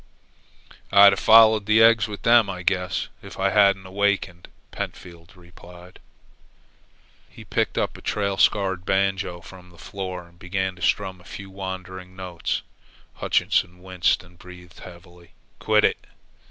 "I'd have followed the eggs with them, I guess, if I hadn't awakened," Pentfield replied. He picked up a trail scarred banjo from the floor and began to strum a few wandering notes. Hutchinson winced and breathed heavily. "Quit it!"